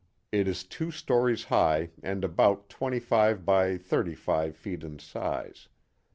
It is two stories high and about twenty five by thirty five feet in size.